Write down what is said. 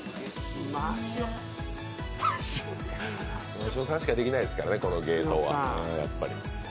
真塩さんしかできないですからね、この芸当は。